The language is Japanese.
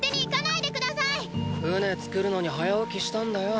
船作るのに早起きしたんだよ。